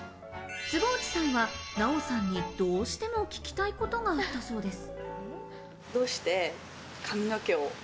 坪内さんは奈緒さんにどうしても聞きたいことがあったそうです。